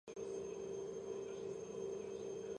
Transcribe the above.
წყაროებში მოხსენებული პირველი ჯაყელი.